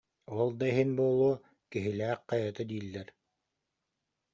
Ол да иһин буолуо, Киһилээх хайата дииллэр